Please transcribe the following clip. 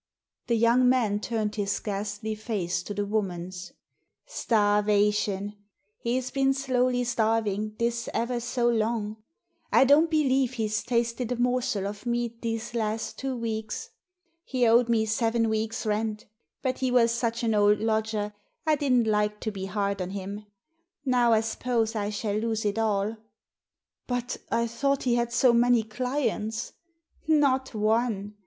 The young man turned his ghastly face to the woman's. "Starvation. He's been slowly starving this ever so long. I don't believe he's tasted a morsel of meat these last two weeks. He owed me seven weeks' rent. But he was such an old lodger I didn't like to be hard on him. Now, I suppose, I shall lose it all" " But I thought he had so many clients ?" "Not one.